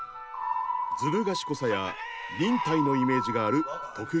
ずる賢さや忍耐のイメージがある徳川家康。